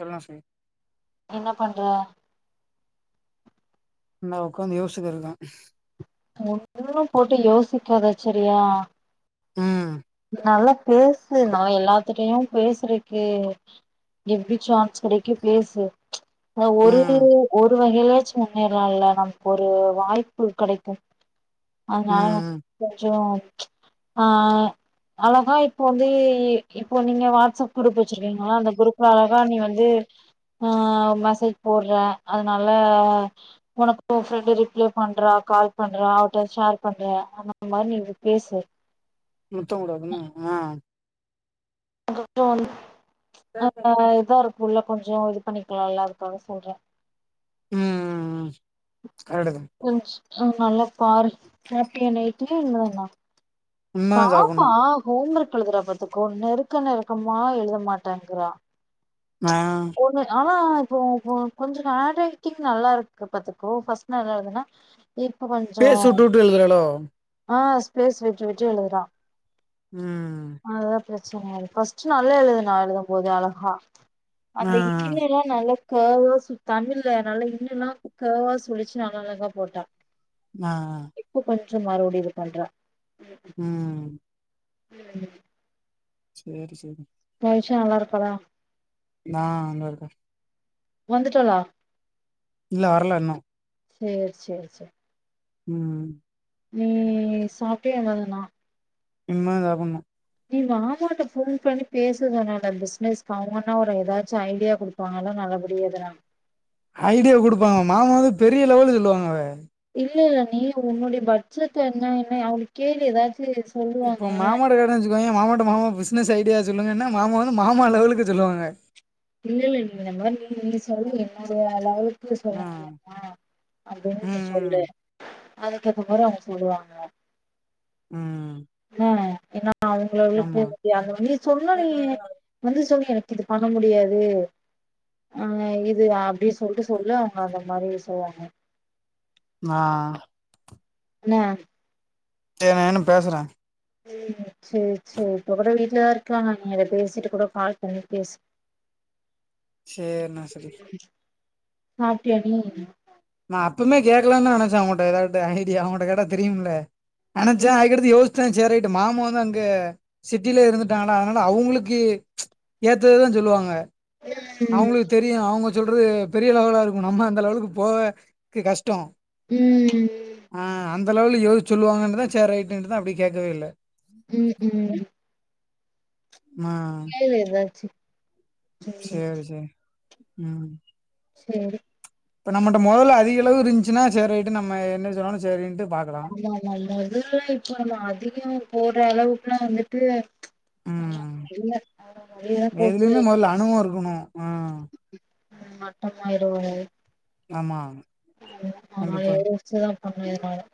சொல்னு [unintelligible] என்ன பண்ற நா உக்காந்து யோச்சுகிருக்கே ஒன்னு போட்டு யோசிக்காத செரியா ம் நல்லா பேசு நா எல்லாத்துட்டயு பேசுறக்கு எப்டி சான்ஸ் கெடைக்கு பேசு ஆ ஒரு ம் ஒரு வகையிலாச்சு முன்னேறலால்ல நமக்கு ஒரு வாய்ப்பு கெடைக்கு அதுனால ம் கொஞ்சொ ஆ அழகா இப்போ வந்து இப்போ நீங்க வாட்ஸ்அப் குரூப் வச்சுருக்கீங்களா அந்த குரூப்ல அழகா நீ வந்து அ மெசேஜ் போட்றே அதுனால ஒனக்கு ஓ ஃப்ரெண்டு ரிப்ளை பண்றா கால் பண்றா அவட்ட ஷேர் பண்ற அந்த மாரி நீ பேசு முத்தங் குடு அப்பன ஆ குடுப்போ இரு [inaudible] இருக்குல்ல கொஞ்சொ இது பண்ணிக்கலால்ல அதுக்காக சொல்றே ம் கரெட்டுதா கொஞ் அ நல்லா பாரு ஹாப்பியா நைட்டு இதானா உண்மதா பாப்பா சாப்புட்ணு ஹோம் ஒர்க் எழுதுறா பாத்துகோ நெருக்க நெருக்கமா எழுத மாட்டேங்கிறா ஆ பொண்ணு ஆனா இப்போ கொஞ்சொ ஹேண்ட்ரைட்டிங் நல்லா இருக்கு பாத்துகோ ஃபர்ஸ்ட் நல்லா எழுதுன இப்ப கொஞ் ஃபேஸ் விட்டு விட்டு எழுதுறாளோ ஆ ஸ்பேஸ் விட்டு விட்டு எழுதுறா ம் அதுதா பிரச்சனயாஇருக் ஃபஸ்ட்டு நல்லா எழுதுனா எழுதும் போது அழகா அந்த ஆ த் இன்னெல்லா நல்லா க்கெவா சு தமிழ்ல நல்ல இன்னுல்லா க்கெவா சுளுச்சு நல்ல அழகா போட்டா மா ஆ இப்ப கொஞ்சொ மறுபடியு இது பண்றா ம் ம் [unintelligible] சேரி செரி வெய்ஷா நல்லா இருப்பாளா நா அங்க இருக்கெ வந்துட்டாலா இல்ல வரல இன்னூ சேர் சேர் சேர் ம் நீ சாப்ட்டியா எதனால்னா இனிமே சாபட்ணோ நீ மாமான்ட்ட ஃபோன் பண்ணி பேசரதுதானட பிஸ்னஸ் அவங்னா ஒரு ஏதாச்சூ ஐடியா குடுப் பால நல்லபடியா எதூனா ஐடியா கொடுப்பாங்க மாமாவூலா பெரிய லெவல் சொல்லுவாங்ளே இல்ல இல்ல நீ உன்னுடைய பட்ஜட் என்ன என்ன அவுங்ள கேளூ ஏதாச்சு சொல்லுவாங்க இப்போ மாமாட்ட கேக்கிறேன்னு வெச்சுக்கோயோ மாமாட்ட மாமா பிசினஸ் ஐடியா சொல்லுங்கன்னா மாமா வந்து மாமா லெவலுக்கு சொல்லுவாங்க இல்ல இல்ல நீ இந்த மாதிரி நீ நீ சொல்லு என்ன அளவுலுக்கு ஆ சொல்லுங்க மாமா அப்டின்னு நீ சொல்லு ம் அதுகேத்த மாரி அவங்க சொல்லுவாங்க ம் ன்னே ஏன்னா அவங்க ஆமா லெவலுக்கு நீ அந்த மாரி சொல்லல்லியே வந்து சொன்னியா எனக் இது பண்ண முடியாது ஆ இது அப்டி சொல்ட்டு சொல்லு அவங்க அந்த மாரி சொல்வாங்க நா ன்னே சரி என்னான்னு பேசுறே ம் சேரி சேரி இப்ப கூட வீட்டுலதா இருக்காங்க நீ அத பேசிட்டு கூட கால் பன்னி பேஸ் சேர் நா சரி சாப்ட்டியா நீ நான் அப்பமே கேக்கலாந் தான்னு நெனைச்சே அவங்குட்ட ஏதாது ஐடியா அவங்கள்ட கேட்டா தெரியும்ல நெனைச்சே அதுக்கடுத்து யோசிச் சரி சரின்டு மாமா தா அங்கெ சிட்டில இருந்துட்டாங்களா அதனால அவுங்ளுக்கு ஏத்ததுதா சொல்லுவாங்க ம் அவங்களுக்கு தெரியூ அவங்க சொல்றது பெரிய லெவலா இருக்கூ நம்ம அந்த லெவலுக்கு போகே கஷ்டோ ம் அ அந்த லவலலுக்கு யோசிச்சி சொல்வாங்கன்டு தா சேர் ரையிட்டுன்னு தா அப்டி கேக்வே இல்ல ம் ம் மா கீழ எதாச்சி சேர் செரி ம் செரி இப்ப நம்மிட்ட முதல்ல அதிக அளவு இருந்துச்சுன்னா சரி ரயீட்டு நம்ம என்ன சொன்னாலும் செரின்ட்டு பாக்கலா நா நல்லதூ இப்ப நம்ம அதிகம் போட்ற அளவுக்குலா வந்துட்டு ம் இல்ல நெல்லப் போட்டு எதுலயுமே மொதல்ல அனுபவோ இருக்கணு ஆ மட்டமா இது ஒரு ஆமாங் அதனால எழுந்துச்சுதா பண்ணு எதுனாலு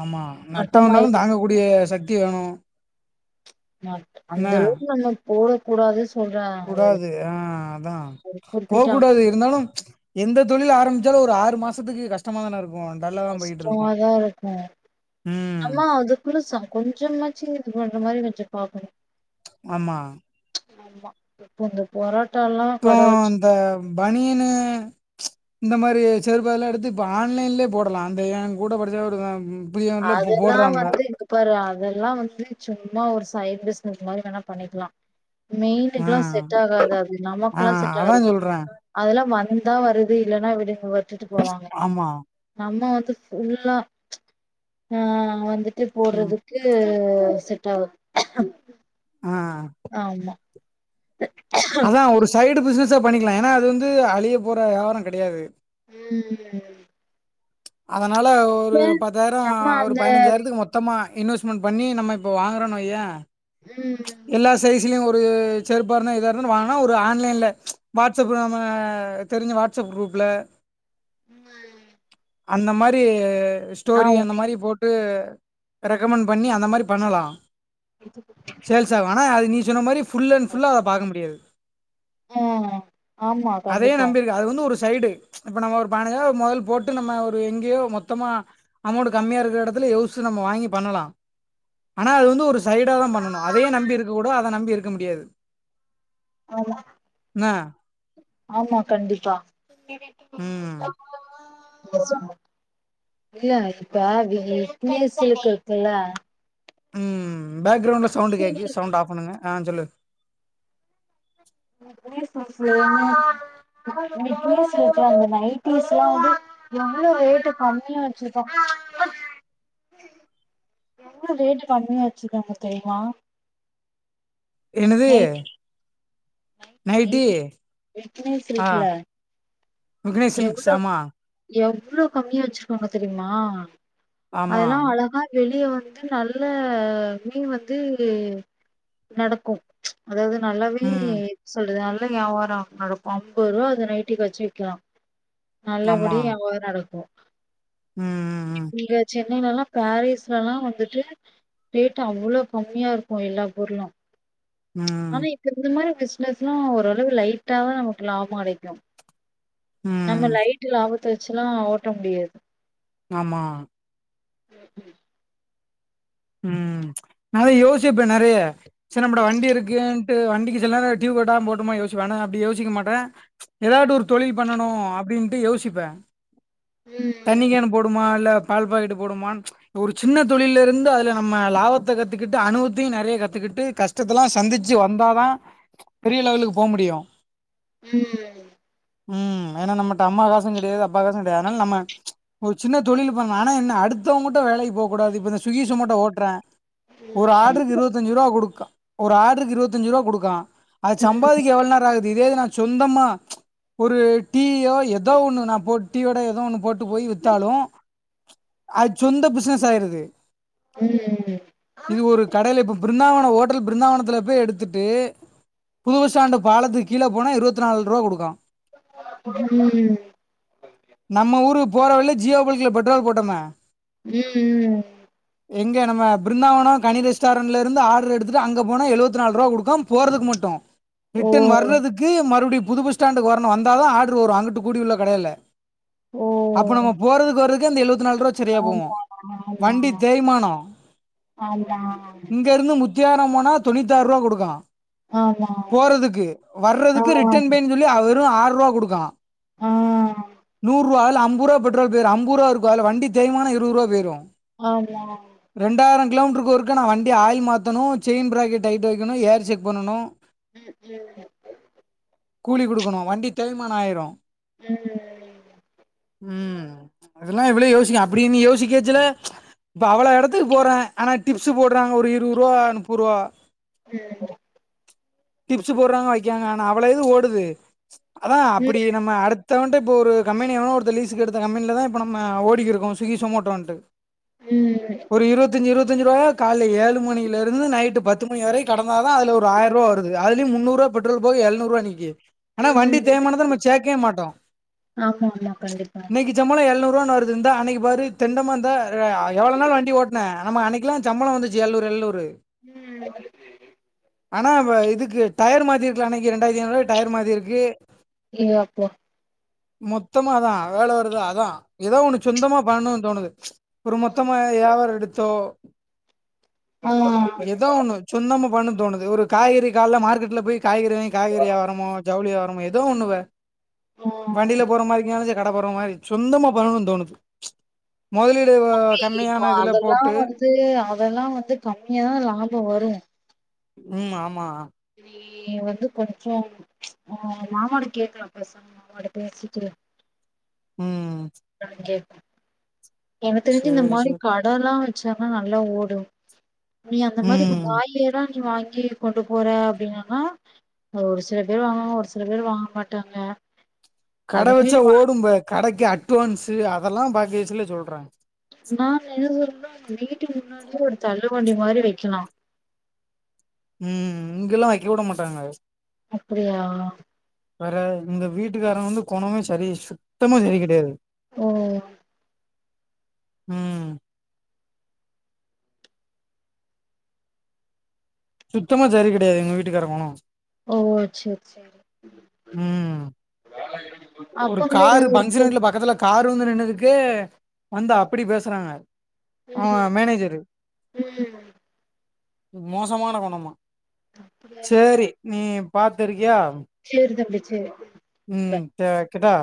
ஆமா நஸ்ட்ட வந்தாலு தாங்க கூடிய சக்தி வேணு நட் என்ன அந்த அளவுக்கு நம்ம போட கூடாது சொல்ற கூடாது அ அதா ஒரு போ குறிப்பிட்ட அமௌண்ட் கூடாது இருந்தாலு எந்த தொழில் ஆரம்பிச்சாலு ஒரு ஆறு மாசத்துக்கு கஷ்டமா தான இருக்கு டல்லா தா போயிட்டு இருக்கு கஷ்டமாதா இருக்கு ம் ஆன அது புதுசா கொஞ்சமாச்சி இது பண்ற மாரி கொஞ்ச பாக்கணு ஆமா ஆமா இந்த பொராட்டால்லா இப்போ கட வச்சி இந்த பனியனு இந்த மாரி செறுப்பைலா எடுத்து இப்ப ஆன்லைன்லே போடலா அந்த ஏ கூட படிச்சா ஒரு பையலா இப்ப அதெல்லா போடுறாம்ப வந்து இங்க பாரு அதெல்லா வந்து சும்மா ஒரு சைட் பிஸ்னஸ் மாரி வேணா பண்ணிக்லா ஆ மெயினுக்குலா செட் ஆகாது அது ஆ நமக்குலா செட் அதா ஆகாது சொல்றே அதெல்லா வந்தா வருது இல்லன்னா விடுன் விட்டுட்டு போவாங்க ஆமா நம்ம வந்து ஃபுல்லா ஆ வந்துட்டு ம் போடுறதுக்கு செட் ஆவாது ஆ ஆமா அதா ஒரு சைடு பிசினஸா பண்ணிக்கலா ஏன்னா அது வந்து அழிய போற வியாபார கெடையாது ம் அதனால இப்ப ஒரு பத்தாயிர நம்ம ஒரு அந்த பதினஞ்சாயிரத்துக்கு மொத் தமா இன்வெஸ்ட்மெண்ட் பண்ணி நம்ம இப்ப வாங்கறோன் வையே ம் எல்லா சைஸ்லயு ஒரு செருப்பாருந்தா எதாருந்தாலு வாங்னா ஒரு ஆன்லைன்ல வாட்ஸ் அப் நம்ம தெரிஞ்ச வாட்ஸ் அப் குரூப்ல ம் அந்த மாரி ஆ ஸ்டோரி அந்த மாரி போட் டு ரெக்கமெண்ட் பண்ணி அந்த மாரி பண்ணலா எதுக் கூப்ட சேல்ஸ் ஆகு ஆனா அது நீ சொன்ன மாரி ஃபுல் அண்ட் ஃபுல்லா அத பாக்க முடியாது ம். ஆமா அதையே கண்டிப்பா. நம்பிருக்கு அது வந்து ஒரு சைடு இப்ப நம்ம ஒரு பதினஞ்சாயிர ஒரு முதல் போட் டு நம்ம ஒரு எங்கேயோ மொத்தமா அமௌண்ட் கம்மியா இருக்கிற எடத்துல யோசுச்சு நம்ம வாங்கி பண்ணலா ஆனா அது வந்து ஒரு சைடாதா பண்ணணு அதையே நம்பி இருக்க கூட அத நம்பி இருக்க முடியாது ஆமா என்ன ஆமா கண்டிப்பா நீ ம் [unintelligible] இல்ல இப்ப நீயி விக்னேஷ் சில்க் இருக்குல்ல ம் பேக் கிரௌண்ட்ல சவுண்ட் கேக்கு சவுண்ட் ஆஃப் பண்ணுங்க ஆ சொல்லு விக்னேஷ் சில்க்ஸ் விக்னேஷ் சில்க்ஸ்ல அந்த நைட்டிஸ்லா வந்து எவ்ளோ ரேட்டு கம்மியா வெச்சிருக்கா எவ்ளோ ரேட்டு கம்மியா வெச்சிருக்காங்க தெரிமா என்னது நைட்டி விக்னேஸ் ஆ இருக்குல விக்னேஷ்ஸ் சில்க்ஸ் எவ்ளோ ஆமா எவ்ளோ கம்மியா வெச்சிருக்காங்க தெரியுமா ஆமா அதெல்லா அழகா வெளிய வந்து நல்ல மெய்ன் வந்து நடக்கு அதாவ்து நல்லாவே ம் என்ன சொல்றது நல் ல ‌வியாபாரோ நடக்கு அம்பர்ருவா அந்த நைட்டிக் வெச்சு விக்கலா ஆமா நல்லபடியா வியாபாரோ நடக்கு ம் ம் இங்க வெச்சு சென்னைலல்லா பாரீஸ்லல்லா வந்துட்டு ரேட்டு அவ்ளோ கம்மியா இருக்கு எல்லா பொருளு ஆனா ம் என்க் இந்த மாரி பிஸ்னஸ்லா ஓரளவு லைட்டாதா நமக்கு லாபோ கெடைக்கு ம் நம்ம ம் லைட்டு லாபத்த வெச்சல்லா ஓட்ட முடியாது ஆமா ம் நா அதா யோசிப்பே நெறைய சரி நம்மட்ட வண்டி இருக்குன் ட்டு வண்டிக்கு சில நேரோ ட்யூ கட்டாம போட்டுமா யோசிப்பே ஆனா அப்டி யோசிக்க மாட்ட எதாவ்து ஒரு தொழில் பண்ணனு அப்டின்ட்டு யோசிப்பே தண்ணி ம் கேனு போடுவ்மா இல்ல பால் பாக்கெட்டு போடுவ்மான் ஒரு சின்ன தொழிலருந்து அது ல நம்ம லாபத்த கத்துக்கிட்டு அனுபவ்த்தியு நெறைய கத்துக்கிட்டு கஷ்டத்தெல்லா சந்திச்சு வந்தாதா பெரிய லெவலுக்கு போ முடியு ம் ம் ஏனா நம்மட்ட அம்மா காசு கெடையாது அப்பா காசு கெடையாது அதனால் நம்ம ஒரு சின்ன தொழிலு பண்ணு ஆனா என்ன அடுத்தவ்ங்கிட்ட வேலைக்கு போ கூடாது இப்ப இந்த ஸுக்கி, ஜுமோட்டோ ஓட்றே ஒரு ஆட்ருக்கு இருவத் தஞ்சுருவா குடுக்கா ஒரு ஆட்ருக்கு இருவத்தஞ்சுருவா குடுக்கா அது சம்பாதிக்க எவ்வள் நேர ஆகு து இதே நா சொந்தமா ஒரு டீயோ எதோ ஒன்னு நா போட் டீ வட எதோ ஒன்னு போட் டு போய் வித்தாலு அது சொந்த பிஸ்னஸ் ஆய்ருது ம் ம் இது ஒரு கடைல இப்ப ப்ருந்தாவனோ ஓட்டல் பப்ருந்தாவனத்துல போய் எடுத்துட்டு புது பஸ் ஸ்டாண்டு பாலத்துக்கீழ போனா இருவத்தி நால்ருவா குடுக்கா ம் நம்ம ஊருக்கு போற வழில ஜியோ பல்க்குல பெட்ரோல் போட்டமே ம் ம் எங்க நம்ம ப்ருந்தாவனோ கனி ரெஸ்ட்டாரண்ட்லிருந்து ஆட்ரு எடுத்துட்டு அங்க போனா எழுவத்து நால்ருவா குடுக்கா போறதுக்கு மட்டு ஓ ரிட்டன் வர்றதுக்கு மறுபடி புது பஸ் ஸ்டாண்டுக்கு வரணு வந்தாதா ஆட்ரு வரு அங்குட்டு கூடி உள்ள கடைல ஓ அப்போ நம்ம போறதுக்கு வரக்கு அந்த எழுவத்து நால்ருவா சரியா போவு ஆமா ஆமா வண்டி தேய்மானோ ஆமா இங்கருந்து முத்தியாபுரோ போனா தொண்ணூத்தி ஆர்ருவா குடுக்கா ஆமா போறதுக்கு ஆ வர்றதுக்கு ரிட்டன் பேனு சொல்லி அ வெறு ஆர்ருவா குடுக்கா ஆ நூர்ருவா அதுல அம்புர்ருவா பெட்ரோல் போய்ரு அம்புர்ருவா இருக்கு அதுல வண்டி தேய்மானோ இருவர்ருவா போயிரு ஆமா ரெண்டாய்ரோ கிலோ மீட்ருக்கு ஒருக்கா நா வண்டி ஆயில் மாத்தணு செயின் ப்ரேக்க டைட் வெக்கணு ஏர் செக் பண்ணனு ம் ம் கூலி குடுக்கணு வண்டி தேய்மானோ ஆயிரு ம் ம் அதெல்லா இவ்வளோ யோசிக்கணு அப்பிடி நீ யோசிக்கச்சல இப்போ அவ்வளோ எடத்துக்கு போறே ஆனா டிப்ஸு போட்றாங்க ஒரு இருவர்ருவா நுப்பர்ருவா ம் டிப்ஸு போட்றாங்க வைக்காங்க ஆனா அவ்வளோ இது ஓடுது அதா ம் அப்பிடி நம்ம அடுத் ஒருத்தவன்ட்ட இப்போ ஒரு கம்பெனி ஒருத்த லீஸுக்கு எடுத்த கம்பென்லதா இப்ப நம்ம ஓட்டிகிறுக்கோ கோம் ஸ்விகி சொமோட்டோன்ட்டு ம் ஒரு இருவத்து இருவத்தஞ்சுருவாயா கால்ல ஏழு மணியில இருந்து நைட்டு பத்து மணி வர கடந்ததா அதுல ஒரு ஆயாருவா வருது அதுலியு முன்னூற்ருவா பெட்ரல் போக எழுநூற்ருவா நிக்கி ஆனா வண்டி தேய்மானத்த நம்ம சேக்கவே மாட்டோ ஆமா ஆமா கண்டிப்பா இன்னைக்கு சம்பளோ எழுநூறு ருவா வருதுந்த அன்னைக்கு பாரு தெண்டமாதா எவ்ளோ நேரோ வண்டி ஓட் என்ன நம்ம அன்னனைக்குலா சம்பளோ வந்துச்சு எழ்நூறு எழ்நூறு ம் ஆனா இதுக்கு டயர் மாத்திருக்கலா அன்னைக்கு ரெண்டாயரத்தி ஐந்நூறுருவாய்க்கு டயர் மாத்திருக்கு ஏ அப்போ மொத்தமா அதா வேல வருதா அதா எதோ ஒன்னு சொந்தமா பண்ணணுன்னு தோணுது ஒரு மொத்தமா யாவாரோ எடுத்தோ ஏதோ ஒண்ணு சொந்தமா பண்ணு தோணுது ஒரு காய்கறி காலைல மார்க்கெட்ல போய் காய்கறி க காய்கறி யாவாரமோ ஜவுளி யாவாரமோ எதோ ஒண்ணு ஓ வண்டியில போற மாரிக்கு சரி கடை போட்ற மாரி சொந்தமா பண்ணணுனு தோணுது மொதலீடு இப்போ கம்மியான இதுல அதெல்லா போட்டு வந்து அதெல்லா வந்து கம்மியா தா லாபோ வரு ம் ஆமா நீ வந்து கொஞ்சோ உங்க மாமாட்ட கேக்லா பெஸ்சாம மாமாட்ட பேசிட்டு ம். என்னான்னு கேப் எனக்கு தெரிஞ்சு இந்த சரி, மாதிரி சரி. கடல்லா வச்சன்னா நல்லா ஓடு நீ அந்த மாதிரி இப்ப ம். காய்கறில்லா நீ வாங்கி கொண்டு போற அப்டின்னா ஒரு சில பேர் வாங்குவாங்க ஒரு சில பேர் வாங்கமாட்டாங்க கட வச்சா ஓடும்பே கடைக்கு அட்வான்ஸ்ஸூ அதெல்லா பாக்கி வச்சுல சொல்றே நா என்ன சொல்றோ வீட்டுக்கு முன்னாடியே ஒரு தள்ளு வண்டி மாரி வைக்கலா ம் இங்கல்லா வைக்க விட மாட்டாங்க அப்டியா வேற இந்த வீட்டுக்கார வந்து கொணமே சரி சுத்தமா சரி கெடையாது ஓ ம் சுத்தமா சரி கெடையாது எங்க வீட்டுக்காரு கொணோ ஓ சேர் சேரி ம் அப்ப ஒரு வந்து காரு பஞ்சர் இப்போ நட்ல பக்கத்துல கார் வந்து நின்னதுக்கே வந்து அப்டி பேசுறாங்க அவ ம் மேனேஜரு ம் ம் மோசமான கொணமா அப்டியா சேரி நீ பாத்துருக்கியா சேரி தம்பி சேரி ம் சேரி வைக்கட்டா